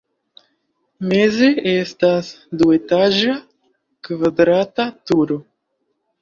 Meze estas duetaĝa kvadrata turo.